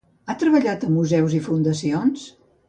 Ha treballat a museus i fundacions?